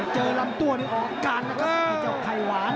เจอลำตัวนี่ออกกันนะครับไข่หวาน